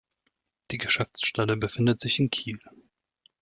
Die Geschäftsstelle befindet sich in Kiel.